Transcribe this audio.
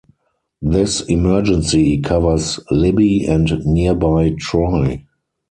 This emergency covers Libby and nearby Troy.